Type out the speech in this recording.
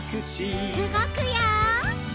うごくよ！